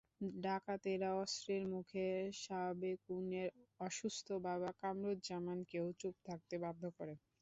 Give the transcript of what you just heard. ডাকাতেরা অস্ত্রের মুখে সাবেকুনের অসুস্থ বাবা কামরুজ্জামানকেও চুপ থাকতে বাধ্য করে।